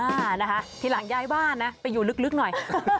อ่านะคะทีหลังย้ายบ้านนะไปอยู่ลึกหน่อย